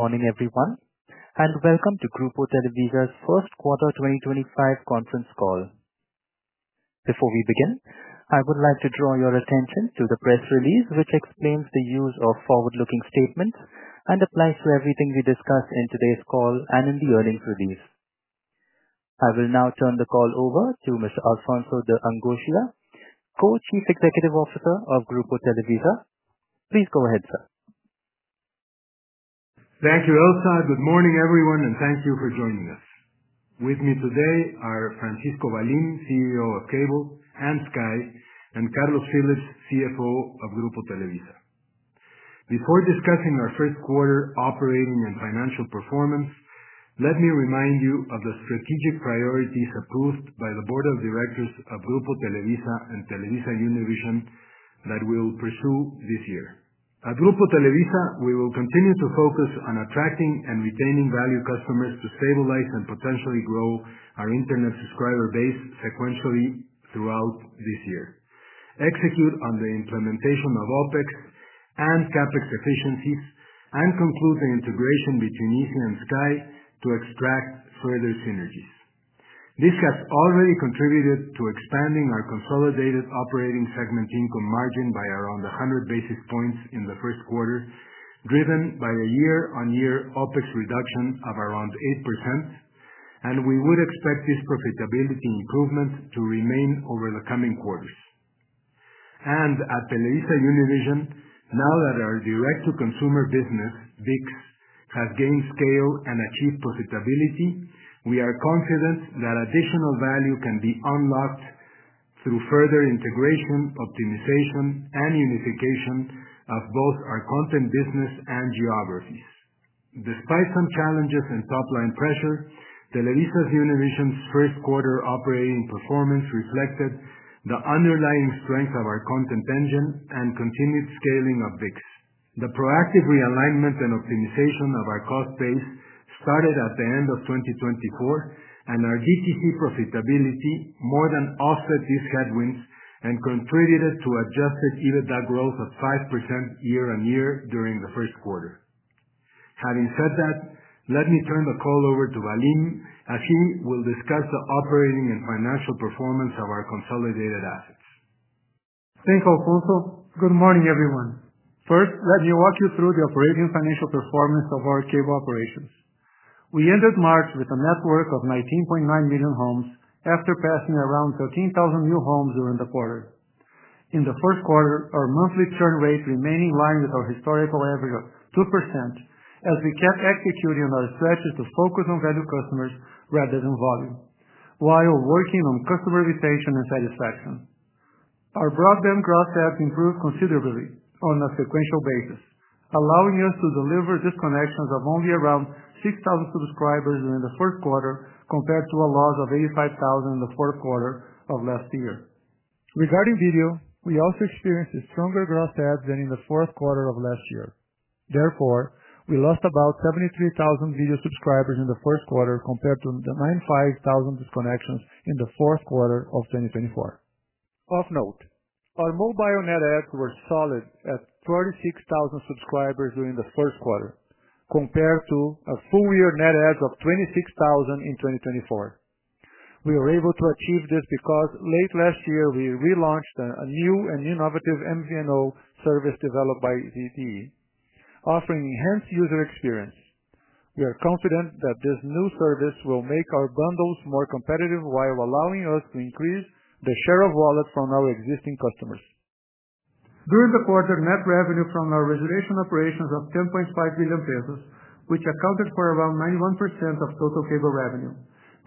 Morning, everyone, and welcome to Grupo Televisa's First Quarter 2025 conference call. Before we begin, I would like to draw your attention to the press release, which explains the use of forward-looking statements and applies to everything we discuss in today's call and in the earnings release. I will now turn the call over to Mr. Alfonso de Angoitia, Co-Chief Executive Officer of Grupo Televisa. Please go ahead, sir. Thank you, Elsa. Good morning, everyone, and thank you for joining us. With me today are Francisco Valim, CEO of Cable and Sky, and Carlos Phillips, CFO of Grupo Televisa. Before discussing our first quarter operating and financial performance, let me remind you of the strategic priorities approved by the Board of Directors of Grupo Televisa and Televisa Univision that we'll pursue this year. At Grupo Televisa, we will continue to focus on attracting and retaining value customers to stabilize and potentially grow our internet subscriber base sequentially throughout this year, execute on the implementation of OpEx and CapEx efficiencies, and conclude the integration between Izzi and Sky to extract further synergies. This has already contributed to expanding our consolidated operating segment income margin by around 100 basis points in the first quarter, driven by a year-on-year OpEx reduction of around 8%, and we would expect this profitability improvement to remain over the coming quarters. At Televisa Univision, now that our direct-to-consumer business, BICS, has gained scale and achieved profitability, we are confident that additional value can be unlocked through further integration, optimization, and unification of both our content business and geographies. Despite some challenges and top-line pressure, Televisa Univision's first quarter operating performance reflected the underlying strength of our content engine and continued scaling of BICS. The proactive realignment and optimization of our cost base started at the end of 2024, and our DTC profitability more than offset these headwinds and contributed to adjusted EBITDA growth of 5% year-on-year during the first quarter. Having said that, let me turn the call over to Valim, as he will discuss the operating and financial performance of our consolidated assets. Thanks, Alfonso. Good morning, everyone. First, let me walk you through the operating and financial performance of our cable operations. We ended March with a net worth of 19.9 million homes after passing around 13,000 new homes during the quarter. In the first quarter, our monthly churn rate remained in line with our historical average of 2%, as we kept executing on our strategy to focus on value customers rather than volume, while working on customer retention and satisfaction. Our broadband cross-sell improved considerably on a sequential basis, allowing us to deliver disconnections of only around 6,000 subscribers during the first quarter compared to a loss of 85,000 in the fourth quarter of last year. Regarding video, we also experienced a stronger growth ads than in the fourth quarter of last year. Therefore, we lost about 73,000 video subscribers in the first quarter compared to the 95,000 disconnections in the fourth quarter of 2024. Of note, our mobile net adds were solid at 46,000 subscribers during the first quarter compared to a full-year net adds of 26,000 in 2024. We were able to achieve this because late last year we relaunched a new and innovative MVNO service developed by ZTE, offering enhanced user experience. We are confident that this new service will make our bundles more competitive while allowing us to increase the share of wallet from our existing customers. During the quarter, net revenue from our reservation operations of 10.5 billion pesos, which accounted for around 91% of total cable revenue,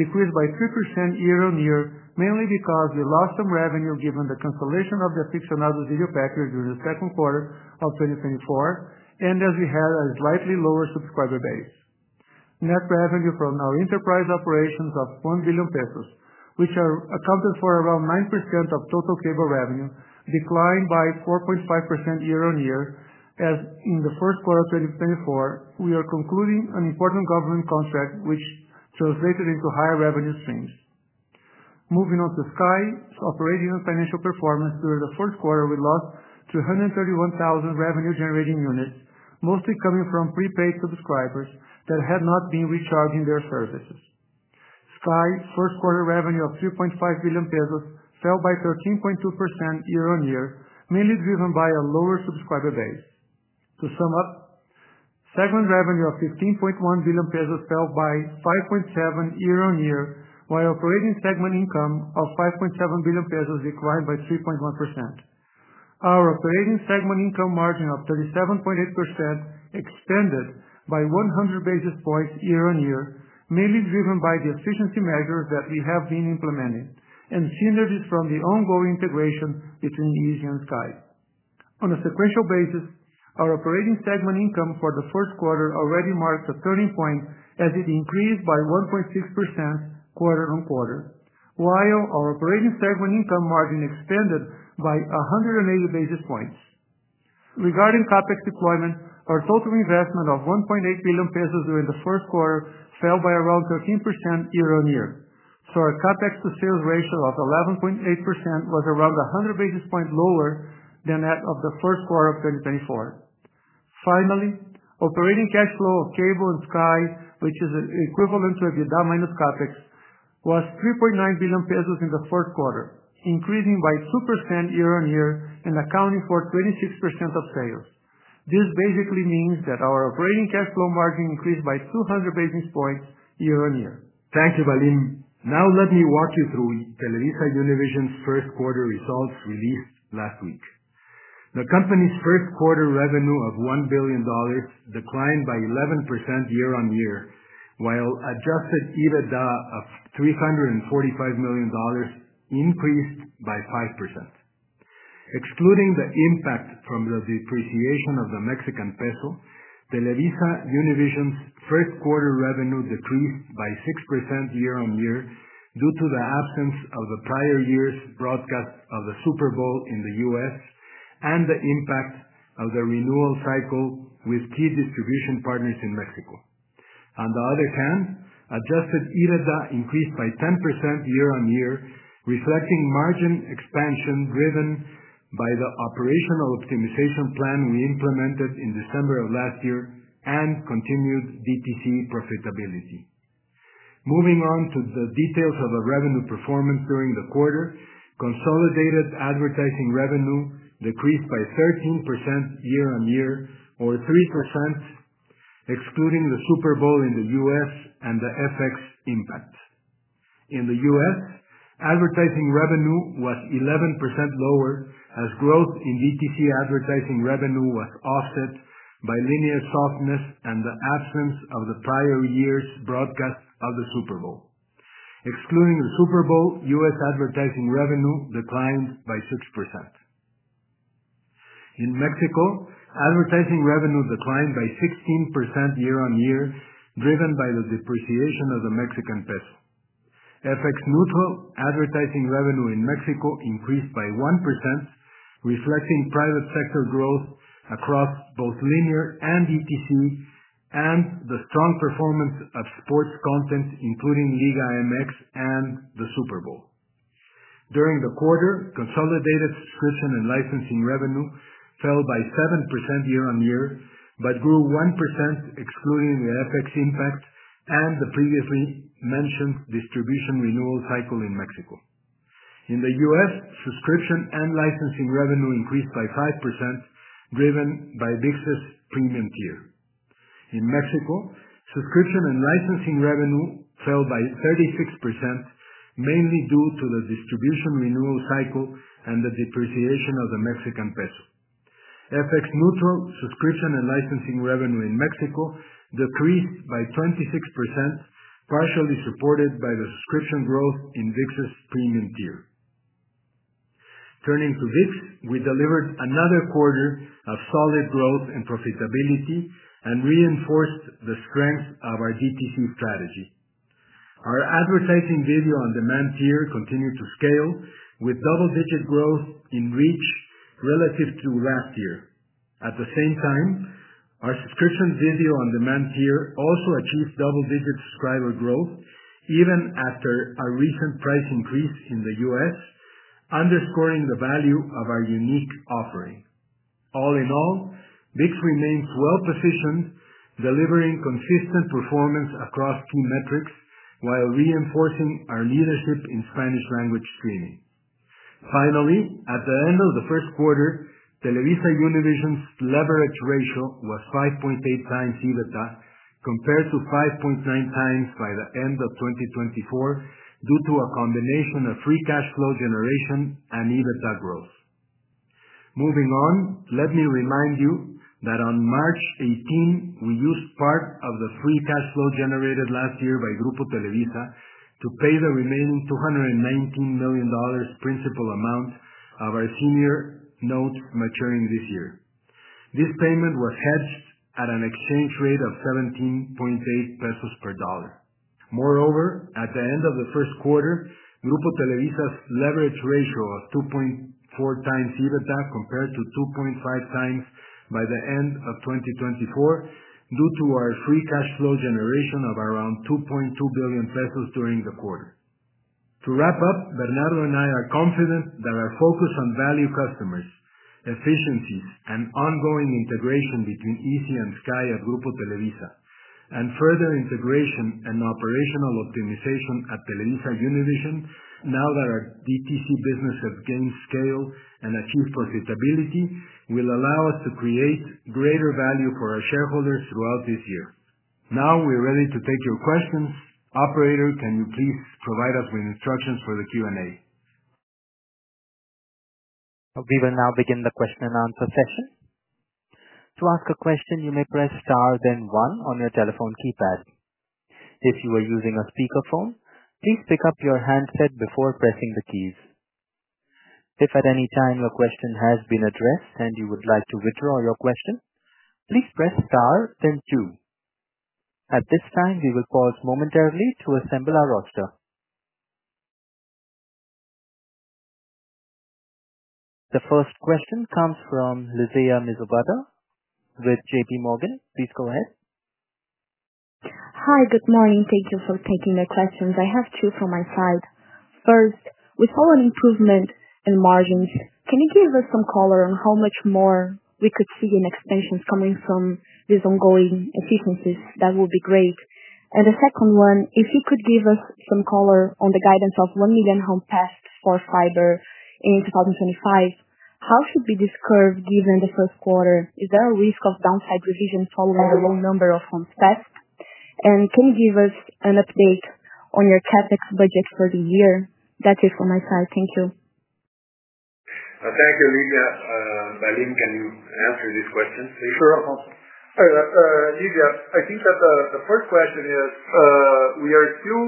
decreased by 3% year-on-year, mainly because we lost some revenue given the cancellation of the Aficionados video package during the second quarter of 2024, and as we had a slightly lower subscriber base. Net revenue from our enterprise operations of 1 billion pesos, which accounted for around 9% of total cable revenue, declined by 4.5% year-on-year, as in the first quarter of 2024, we are concluding an important government contract, which translated into higher revenue streams. Moving on to Sky's operating and financial performance, during the first quarter, we lost 231,000 revenue-generating units, mostly coming from prepaid subscribers that had not been recharging their services. Sky's first quarter revenue of 3.5 billion pesos fell by 13.2% year-on-year, mainly driven by a lower subscriber base. To sum up, segment revenue of 15.1 billion pesos fell by 5.7% year-on-year, while operating segment income of 5.7 billion pesos declined by 3.1%. Our operating segment income margin of 37.8% extended by 100 basis points year-on-year, mainly driven by the efficiency measures that we have been implementing and synergies from the ongoing integration between Izzi and Sky. On a sequential basis, our operating segment income for the first quarter already marked a turning point as it increased by 1.6% quarter on quarter, while our operating segment income margin expanded by 180 basis points. Regarding CapEx deployment, our total investment of 1.8 billion pesos during the first quarter fell by around 13% year-on-year, so our CapEx to sales ratio of 11.8% was around 100 basis points lower than that of the first quarter of 2024. Finally, operating cash flow of Cable and Sky, which is equivalent to the minus CapEx, was 3.9 billion pesos in the fourth quarter, increasing by 2% year-on-year and accounting for 26% of sales. This basically means that our operating cash flow margin increased by 200 basis points year-on-year. Thank you, Valim. Now, let me walk you through Televisa Univision's first quarter results released last week. The company's first quarter revenue of $1 billion declined by 11% year-on-year, while adjusted EBITDA of $345 million increased by 5%. Excluding the impact from the depreciation of the Mexican peso, Televisa Univision's first quarter revenue decreased by 6% year-on-year due to the absence of the prior year's broadcast of the Super Bowl in the U.S. and the impact of the renewal cycle with key distribution partners in Mexico. On the other hand, adjusted EBITDA increased by 10% year-on-year, reflecting margin expansion driven by the operational optimization plan we implemented in December of last year and continued DTC profitability. Moving on to the details of the revenue performance during the quarter, consolidated advertising revenue decreased by 13% year-on-year, or 3% excluding the Super Bowl in the U.S. and the FX impact. In the U.S., advertising revenue was 11% lower as growth in DTC advertising revenue was offset by linear softness and the absence of the prior year's broadcast of the Super Bowl. Excluding the Super Bowl, U.S. advertising revenue declined by 6%. In Mexico, advertising revenue declined by 16% year-on-year, driven by the depreciation of the Mexican peso. FX neutral advertising revenue in Mexico increased by 1%, reflecting private sector growth across both linear and DTC and the strong performance of sports content, including Liga MX and the Super Bowl. During the quarter, consolidated subscription and licensing revenue fell by 7% year-on-year but grew 1% excluding the FX impact and the previously mentioned distribution renewal cycle in Mexico. In the U.S., subscription and licensing revenue increased by 5%, driven by BICS's premium tier. In Mexico, subscription and licensing revenue fell by 36%, mainly due to the distribution renewal cycle and the depreciation of the Mexican peso. FX neutral subscription and licensing revenue in Mexico decreased by 26%, partially supported by the subscription growth in BICS's premium tier. Turning to BICS, we delivered another quarter of solid growth and profitability and reinforced the strength of our DTC strategy. Our advertising video on demand tier continued to scale with double-digit growth in reach relative to last year. At the same time, our subscription video on demand tier also achieved double-digit subscriber growth even after a recent price increase in the US, underscoring the value of our unique offering. All in all, BICS remains well-positioned, delivering consistent performance across key metrics while reinforcing our leadership in Spanish-language streaming. Finally, at the end of the first quarter, Televisa Univision's leverage ratio was 5.8 times EBITDA compared to 5.9 times by the end of 2024 due to a combination of free cash flow generation and EBITDA growth. Moving on, let me remind you that on March 18, we used part of the free cash flow generated last year by Grupo Televisa to pay the remaining $219 million principal amount of our senior notes maturing this year. This payment was hedged at an exchange rate of 17.8 pesos per dollar. Moreover, at the end of the first quarter, Grupo Televisa's leverage ratio was 2.4 times EBITDA compared to 2.5 times by the end of 2024 due to our free cash flow generation of around 2.2 billion pesos during the quarter. To wrap up, Bernardo and I are confident that our focus on value customers, efficiencies, and ongoing integration between Izzi and Sky at Grupo Televisa, and further integration and operational optimization at Televisa Univision, now that our DTC business has gained scale and achieved profitability, will allow us to create greater value for our shareholders throughout this year. Now we're ready to take your questions. Operator, can you please provide us with instructions for the Q&A? We will now begin the question and answer session. To ask a question, you may press star then one on your telephone keypad. If you are using a speakerphone, please pick up your handset before pressing the keys. If at any time your question has been addressed and you would like to withdraw your question, please press star then two. At this time, we will pause momentarily to assemble our roster. The first question comes from Livea Mizobata with JPMorgan. Please go ahead. Hi, good morning. Thank you for taking the questions. I have two from my side. First, with all the improvement in margins, can you give us some color on how much more we could see in expansions coming from these ongoing efficiencies? That would be great. The second one, if you could give us some color on the guidance of 1 million homes passed for fiber in 2025, how should be this curve given the first quarter? Is there a risk of downside revision following the low number of homes passed? Can you give us an update on your CapEx budget for the year? That's it from my side. Thank you. Thank you, Livea. Valim, can you answer this question, please? Sure, Alfonso. Livea, I think that the first question is we are still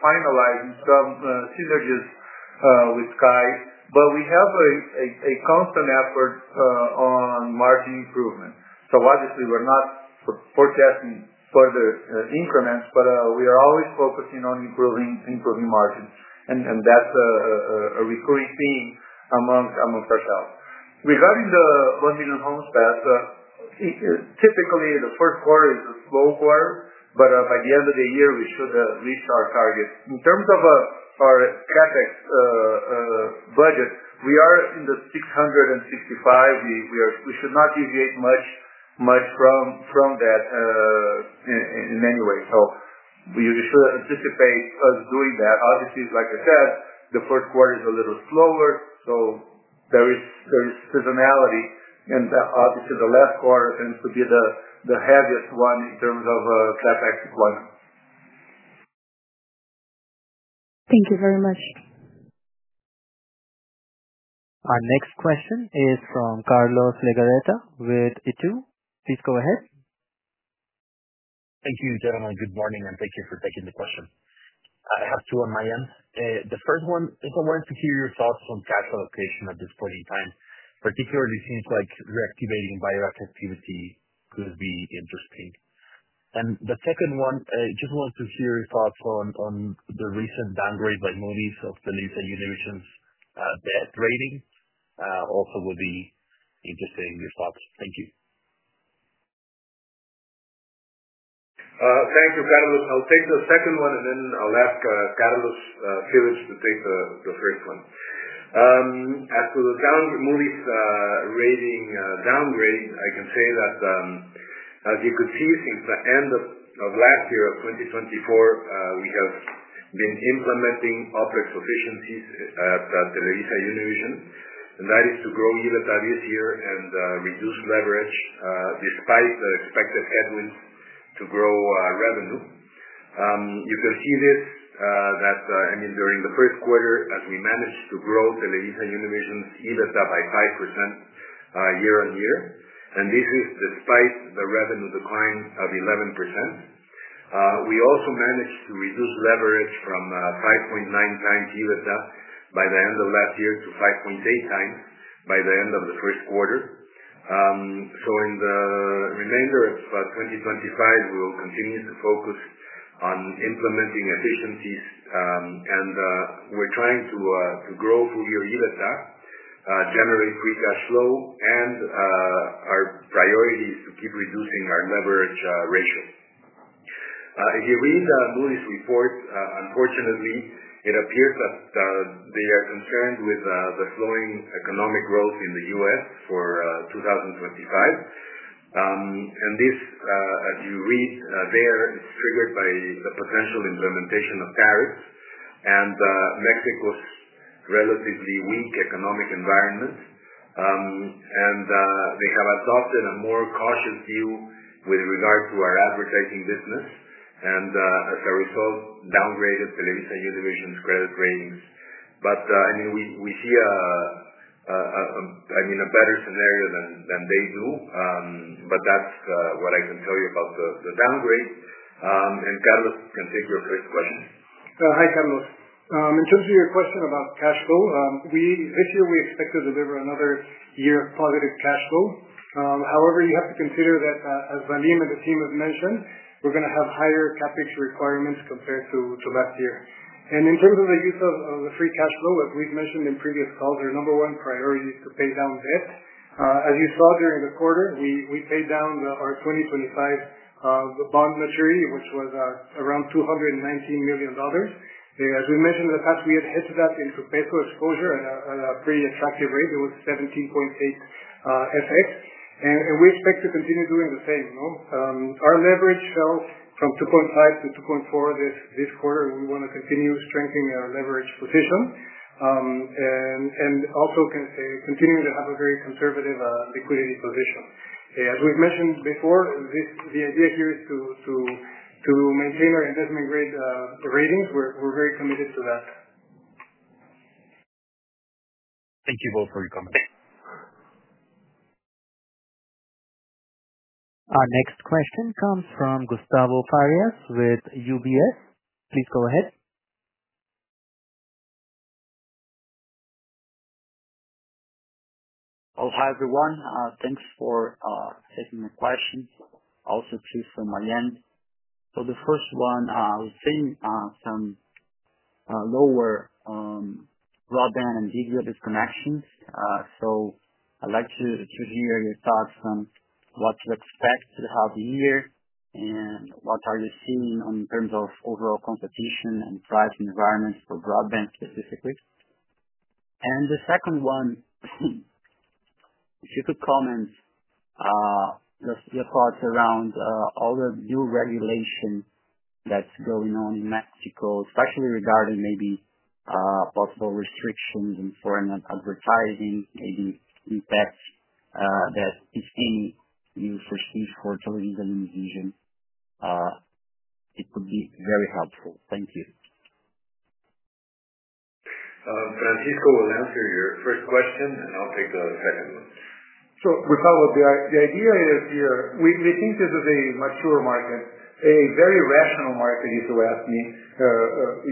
finalizing some synergies with Sky, but we have a constant effort on margin improvement. Obviously, we're not forecasting further increments, but we are always focusing on improving margins, and that's a recurring theme amongst ourselves. Regarding the 1 million homes passed, typically, the first quarter is a slow quarter, but by the end of the year, we should reach our target. In terms of our CapEx budget, we are in the 665 million. We should not deviate much from that in any way. You should anticipate us doing that. Obviously, like I said, the first quarter is a little slower, so there is seasonality, and obviously, the last quarter tends to be the heaviest one in terms of CapEx deployment. Thank you very much. Our next question is from Carlos Legarreta with Itaú. Please go ahead. Thank you, gentlemen. Good morning, and thank you for taking the question. I have two on my end. The first one, I just wanted to hear your thoughts on cash allocation at this point in time, particularly since reactivating buyback activity could be interesting. The second one, I just wanted to hear your thoughts on the recent downgrade by Moody's of Televisa Univision's debt rating. Also would be interested in your thoughts. Thank you. Thank you, Carlos. I'll take the second one, and then I'll ask Carlos Phillips to take the first one. As for the Moody's rating downgrade, I can say that, as you could see, since the end of last year, of 2024, we have been implementing OpEx efficiencies at Televisa Univision, and that is to grow EBITDA this year and reduce leverage despite the expected headwinds to grow revenue. You can see this that, I mean, during the first quarter, as we managed to grow Televisa Univision's EBITDA by 5% year-on-year, and this is despite the revenue decline of 11%. We also managed to reduce leverage from 5.9 times EBITDA by the end of last year to 5.8 times by the end of the first quarter. In the remainder of 2025, we will continue to focus on implementing efficiencies, and we're trying to grow full-year EBITDA, generate free cash flow, and our priority is to keep reducing our leverage ratio. If you read the Moody's report, unfortunately, it appears that they are concerned with the slowing economic growth in the US for 2025. This, as you read there, is triggered by the potential implementation of tariffs and Mexico's relatively weak economic environment. They have adopted a more cautious view with regard to our advertising business and, as a result, downgraded Televisa Univision's credit ratings. I mean, we see, I mean, a better scenario than they do, but that's what I can tell you about the downgrade. Carlos, you can take your first question. Hi, Carlos. In terms of your question about cash flow, this year we expect to deliver another year of positive cash flow. However, you have to consider that, as Valim and the team have mentioned, we are going to have higher CapEx requirements compared to last year. In terms of the use of the free cash flow, as we have mentioned in previous calls, our number one priority is to pay down debt. As you saw during the quarter, we paid down our 2025 bond maturity, which was around $219 million. As we mentioned in the past, we had hedged that into peso exposure at a pretty attractive rate. It was 17.8 FX, and we expect to continue doing the same. Our leverage fell from 2.5 to 2.4 this quarter, and we want to continue strengthening our leverage position and also continue to have a very conservative liquidity position. As we've mentioned before, the idea here is to maintain our investment ratings. We're very committed to that. Thank you both for your comments. Our next question comes from Gustavo Farias with UBS. Please go ahead. Hello, hi everyone. Thanks for taking the question. Also, please from my end. The first one, I was seeing some lower broadband and degree of disconnections. I would like to hear your thoughts on what to expect to have the year and what are you seeing in terms of overall competition and price environment for broadband specifically. The second one, if you could comment your thoughts around all the new regulation that is going on in Mexico, especially regarding maybe possible restrictions in foreign advertising, maybe impact that, if any, you foresee for Televisa Univision. It would be very helpful. Thank you. Francisco will answer your first question, and I'll take the second one. Gustavo, the idea is here we think this is a mature market. A very rational market, if you ask me.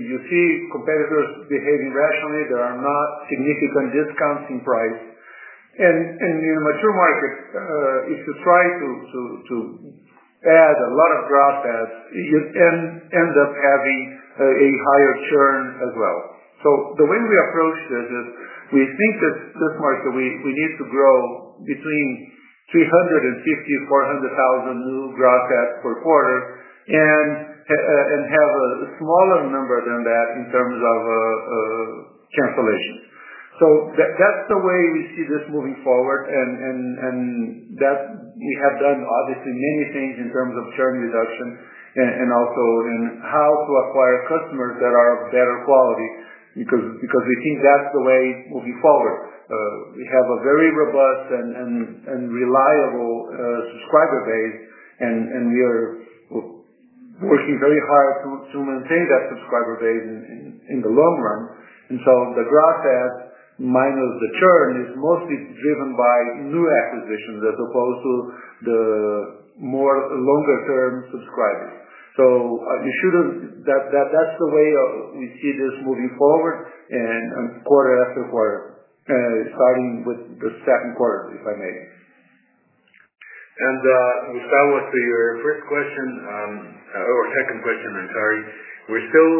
You see competitors behaving rationally. There are not significant discounts in price. In a mature market, if you try to add a lot of growth ads, you end up having a higher churn as well. The way we approach this is we think that this market, we need to grow between 350,000 and 400,000 new growth ads per quarter and have a smaller number than that in terms of cancellations. That is the way we see this moving forward, and we have done, obviously, many things in terms of churn reduction and also in how to acquire customers that are of better quality because we think that is the way moving forward. We have a very robust and reliable subscriber base, and we are working very hard to maintain that subscriber base in the long run. The growth ads minus the churn is mostly driven by new acquisitions as opposed to the more longer-term subscribers. That is the way we see this moving forward and quarter after quarter, starting with the second quarter, if I may. Gustavo, to your first question or second question, I'm sorry. We're still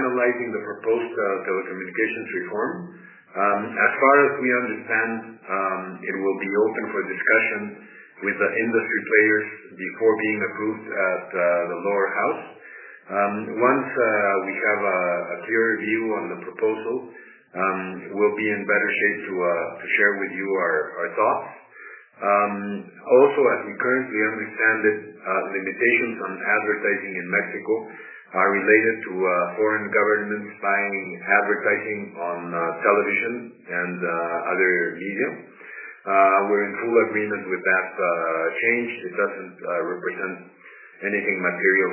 analyzing the proposed telecommunications reform. As far as we understand, it will be open for discussion with the industry players before being approved at the lower house. Once we have a clearer view on the proposal, we'll be in better shape to share with you our thoughts. Also, as we currently understand it, limitations on advertising in Mexico are related to foreign governments buying advertising on television and other media. We're in full agreement with that change. It doesn't represent anything material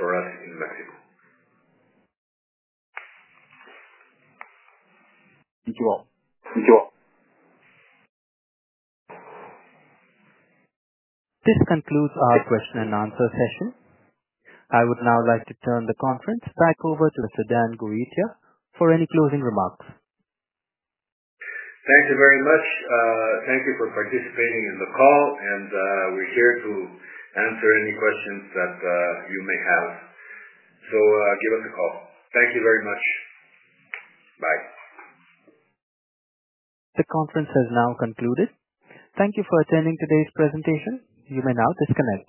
for us in Mexico. Thank you all. This concludes our question and answer session. I would now like to turn the conference back over to Mr. Dan Goitia for any closing remarks. Thank you very much. Thank you for participating in the call, and we're here to answer any questions that you may have. Give us a call. Thank you very much. Bye. The conference has now concluded. Thank you for attending today's presentation. You may now disconnect.